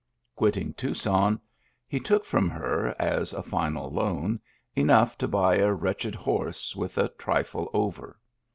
Quitting Tucson, he took from her, as a final loan, enough to buy a wretched horse, with a trifle over.